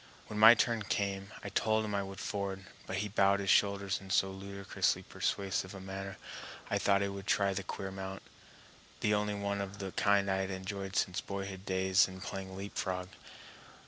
When my turn came I told him I would ford, but he bowed his shoulders in so ludicrously persuasive a manner I thought I would try the queer mount, the only one of the kind I had enjoyed since boyhood days in playing leapfrog.